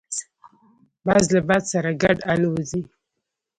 باز له باد سره ګډ الوزي